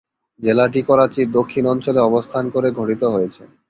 জেলাটি করাচির দক্ষিণ অঞ্চলে অবস্থান করে গঠিত হয়েছে।